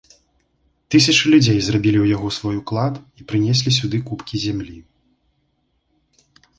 Тысячы людзей зрабілі ў яго свой уклад і прынеслі сюды купкі зямлі.